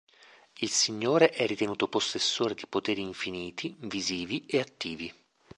Il Signore è ritenuto possessore di poteri infiniti, visivi, e attivi.